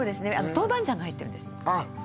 豆板醤が入っているんですあっ